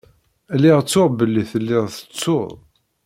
Lliɣ ttuɣ belli telliḍ tettuḍ.